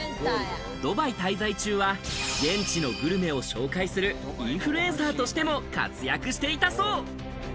ドバイ滞在中は現地のグルメを紹介するインフルエンサーとしても活躍していたそう。